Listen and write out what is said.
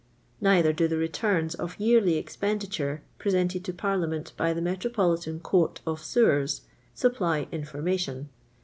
Neither do the returns of yearly expenditure, presented to Parliament by the Metropolitan Court of Sewers, supply information.